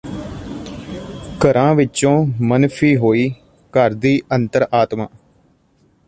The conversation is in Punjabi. ਘਰਾਂ ਵਿਚੋਂ ਮਨਫੀ ਹੋਈ ਘਰ ਦੀ ਅੰਤਰ ਆਤਮਾ